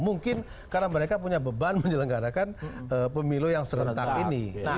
mungkin karena mereka punya beban menyelenggarakan pemilu yang serentak ini